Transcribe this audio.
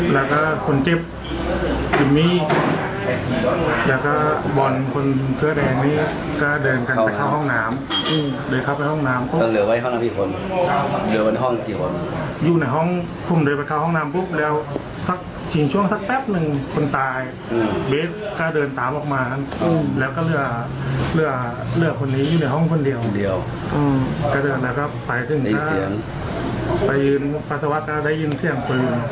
แล้วก็เลือกเลือกเลือกคนนี้อยู่ในห้องคนเดียวเดียวก็เดินนะครับไปถึงก็ไปยืนภาษาวัคก็ได้ยินเสียงปืน